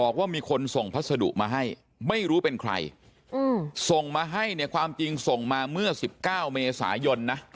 บอกว่ามีคนส่งพัสดุมาให้ไม่รู้เป็นใครส่งมาให้เนี่ยความจริงส่งมาเมื่อ๑๙เมษายนนะ